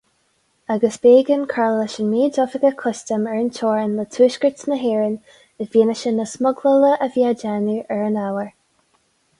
Agus b'éigean cur leis an méid oifigeach custaim ar an teorainn le tuaisceart na hÉireann i bhfianaise na smuglála a bhí á déanamh ar an ábhar.